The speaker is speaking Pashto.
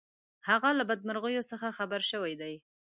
هغه له بدمرغیو څخه خبر شوی دی.